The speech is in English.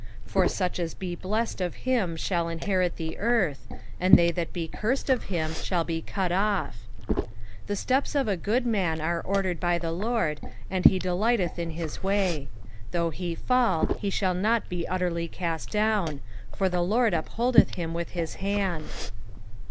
22 For such as be blessed of him shall inherit the earth ; and they that be cursed of him shall be cut off. 23 The steps of a good man are ordered by the LORD : and he 'Y . delighteth in his way. 24 Though he fall, he shall not be utterly cast down : for the Lord upholdeth hhn with his hand.